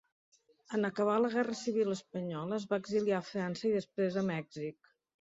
En acabar la guerra civil espanyola es va exiliar a França i després a Mèxic.